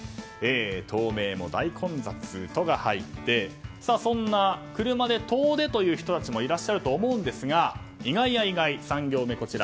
東名も大混雑の「ト」が入ってそんな車で遠出という人たちもいらっしゃると思うんですが意外や意外、３行目。